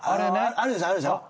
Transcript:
あるでしょあるでしょ。